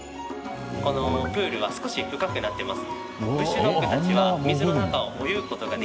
このプールは少し深くなってます。